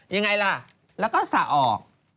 ยังไงล่ะแล้วก็สระออก